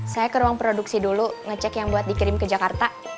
saya ke ruang produksi dulu ngecek yang buat dikirim ke jakarta